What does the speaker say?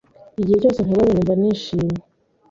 Igihe cyose nkubonye, numva nishimye.